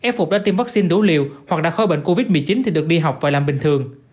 f phục đã tiêm vaccine đủ liều hoặc đã khỏi bệnh covid một mươi chín thì được đi học và làm bình thường